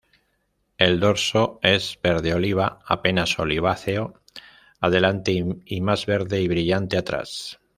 El dorso es verde oliva, apenas oliváceo adelante y más verde y brillante atrás.